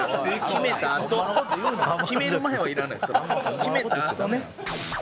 決めたあとね。